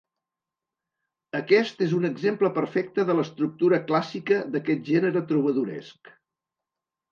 Aquest és un exemple perfecte de l'estructura clàssica d'aquest gènere trobadoresc.